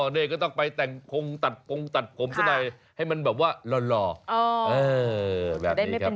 นี่ก็ต้องไปแต่งพงตัดพงตัดผมซะหน่อยให้มันแบบว่าหล่อแบบนี้ครับ